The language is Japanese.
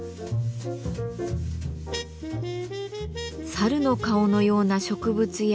猿の顔のような植物や。